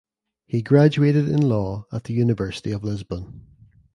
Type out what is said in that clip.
He graduated in law at the University of Lisbon.